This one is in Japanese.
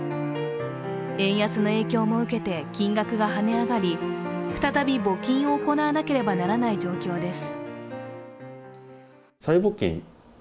円安の影響も受けて金額がはね上がり再び募金を行わなければならない状況です。